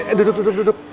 eh duduk duduk duduk